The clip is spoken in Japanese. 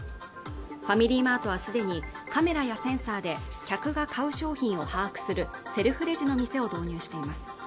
ファミリーマートはすでにカメラやセンサーで客が買う商品を把握するセルフレジの店を導入しています